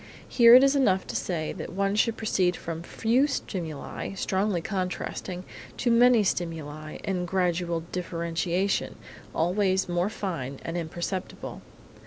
Here it is enough to say that one should proceed from few stimuli strongly contrasting, to many stimuli in gradual differentiation always more fine and imperceptible.